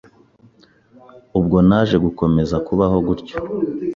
Ubwo naje gukomeza kubaho gutyo